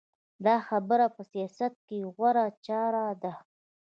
دا خبره په سیاست کې غوره چاره ده.